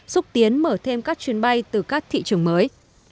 xúc tiến mở thêm các chuyến bay từ các thị trường mới